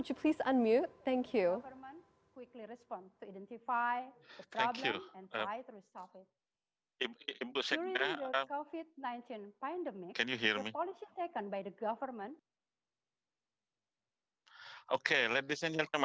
jadi ini adalah tanda tanda yang membutuhkan untuk itu